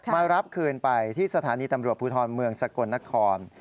มารับคืนไปที่สถานีตำรวจภูทรเมืองสกลนคร